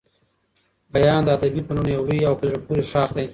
بیان د ادبي فنونو يو لوی او په زړه پوري ښاخ دئ.